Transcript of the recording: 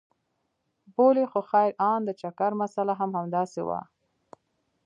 بولې خو خير ان د چکر مساله هم همداسې وه.